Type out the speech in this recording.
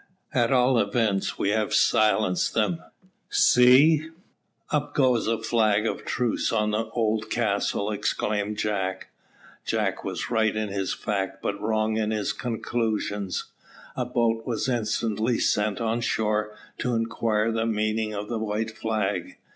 "At all events, we have silenced them; see, up goes a flag of truce on the old castle," exclaimed Jack. Jack was right in his fact but wrong in his conclusions. A boat was instantly sent on shore to inquire the meaning of the white flag.